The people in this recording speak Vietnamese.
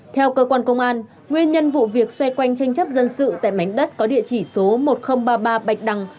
theo cơ quan công an nguyên nhân vụ việc xoay quanh tranh chấp dân sự tại mảnh đất có địa chỉ số một nghìn ba mươi ba bạch đằng